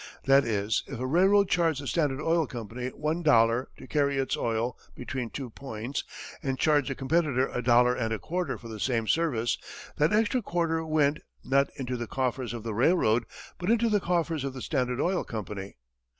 That is, if a railroad charged the Standard Oil Company one dollar to carry its oil between two points and charged a competitor a dollar and a quarter for the same service, that extra quarter went, not into the coffers of the railroad, but into the coffers of the Standard Oil Company.